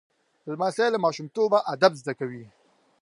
لمسی له ماشومتوبه ادب زده کوي.